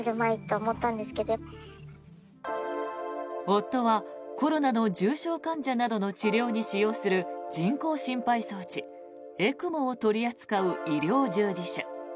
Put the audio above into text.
夫はコロナの重症患者などの治療に使用する人工心肺装置・ＥＣＭＯを取り扱う医療従事者。